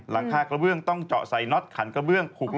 หลังคากระเบื้องต้องเจาะใส่น็อตขันกระเบื้อง